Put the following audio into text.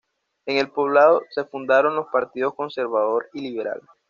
En el poblado se fundaron los partidos conservador y liberal.